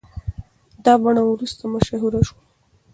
دا بڼه وروسته مشهوره شوه.